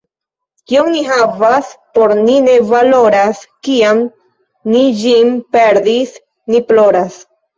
Kion ni havas, por ni ne valoras, — kiam ni ĝin perdis, ni ploras.